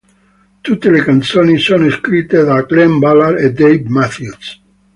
Tutte le canzoni sono scritte da Glen Ballard e Dave Matthews.